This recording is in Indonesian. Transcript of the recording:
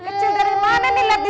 kecil dari mana nih